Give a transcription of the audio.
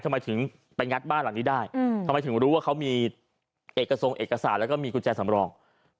ทำไมถึงไปงัดบ้านหลังนี้ได้ทำไมถึงรู้ว่าเขามีเอกทรงเอกสารแล้วก็มีกุญแจสำรอง